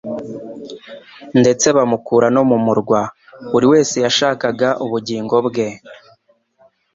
ndetse bamukura no mu murwa. Buri wese yashakaga ubugingo bwe.